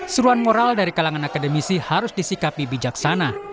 seruan moral dari kalangan akademisi harus disikapi bijaksana